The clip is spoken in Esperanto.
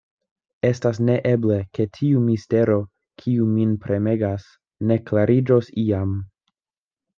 Estas neeble, ke tiu mistero, kiu min premegas, ne klariĝos iam.